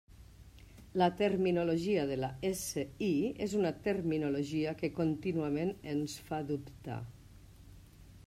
La terminologia de la SI és una terminologia que contínuament ens fa dubtar.